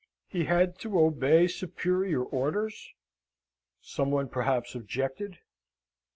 He had to obey superior orders (some one perhaps objected)?